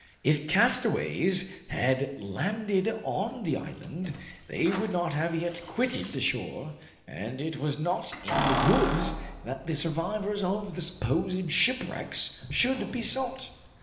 If castaways had landed on the island, they could not have yet quitted the shore, and it was not in the woods that the survivors of the supposed shipwreck should be sought.